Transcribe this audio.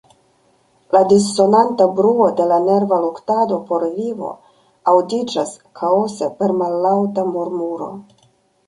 La dissonanta bruo de la nerva luktado por vivo aŭdiĝas ĥaose per mallaŭta murmuro.